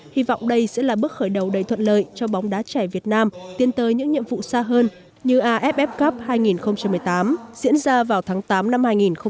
hy vọng đây sẽ là bước khởi đầu đầy thuận lợi cho bóng đá trẻ việt nam tiến tới những nhiệm vụ xa hơn như aff cup hai nghìn một mươi tám diễn ra vào tháng tám năm hai nghìn một mươi chín